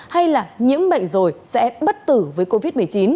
hay là nhiễm bệnh rồi sẽ bất tử với covid một mươi chín